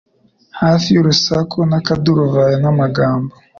Hafi y'urusaku n'akaduruvayo, n'amagambo